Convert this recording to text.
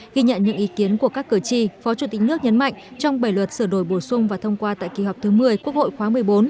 ghi nhận những ý kiến của các cử tri phó chủ tịch nước nhấn mạnh trong bảy luật sửa đổi bổ sung và thông qua tại kỳ họp thứ một mươi quốc hội khóa một mươi bốn